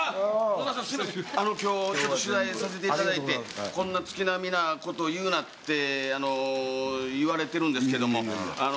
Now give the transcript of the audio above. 今日取材させていただいてこんな月並みなこと言うなって言われてるんですけどホントに。